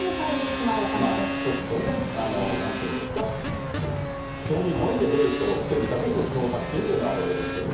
まあ、ちょっとね、なんていうんですか、興味本位で出る人を防ぐために、この供託金というのがあるわけですけれども。